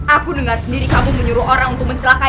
aku dengar sendiri kamu menyuruh orang untuk mencelakai karama